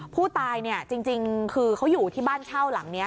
ผู้ตายเนี่ยจริงคือเขาอยู่ที่บ้านเช่าหลังนี้